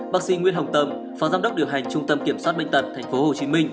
bác sĩ nguyễn hồng tâm phó giám đốc điều hành trung tâm kiểm soát bệnh tật tp hcm